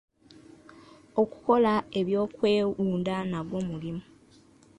Okukola ebyokwewunda nagwo mulimu.